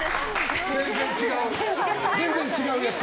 全然違うやつ！